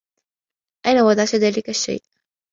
أين وضعت ذلك الشّيء؟